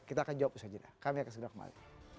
kita akan jawab saja kami akan segera kembali